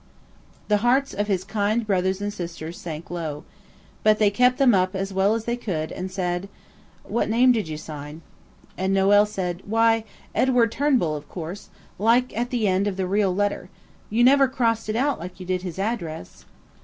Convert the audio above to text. The hearts of his kind brothers and sisters sank low. But they kept them up as well as they could, and said– "What name did you sign?" And Noël said, "Why, Edward Turnbull, of course–like at the end of the real letter. You never crossed it out like you did his address."